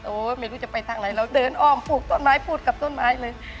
โอ้ยไม่รู้จะไปทางไหนแล้วเดินอ้อมผูกต้นไม้ผูกกับต้นไม้เลย